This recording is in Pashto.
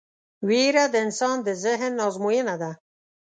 وېره د انسان د ذهن ازموینه ده.